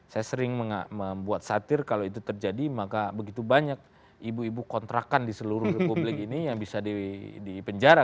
saya sering membuat satir kalau itu terjadi maka begitu banyak ibu ibu kontrakan di seluruh republik ini yang bisa dipenjara